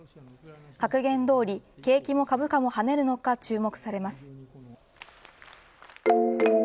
格言どおり景気も株価も跳ねるのか注目されます。